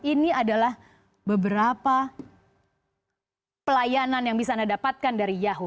ini adalah beberapa pelayanan yang bisa anda dapatkan dari yahoo